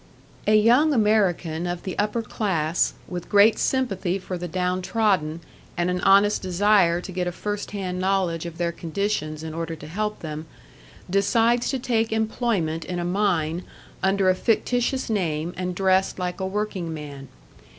A young American of the upper class, with great sympathy for the downtrodden and an honest desire to get a first hand knowledge of their conditions in order to help them, decides to take employment in a mine under a fictitious name and dressed like a working man.